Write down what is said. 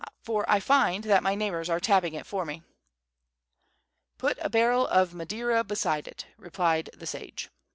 for I find that my neighbors are tapping it for me." "Put a barrel of Madeira beside it," replied the sage.